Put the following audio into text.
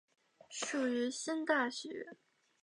属于新大学。